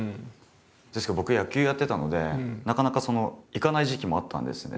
ですけど僕野球やってたのでなかなか行かない時期もあったんですね。